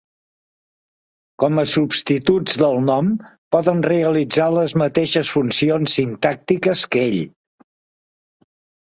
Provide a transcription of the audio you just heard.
Com a substituts del nom poden realitzar les mateixes funcions sintàctiques que ell.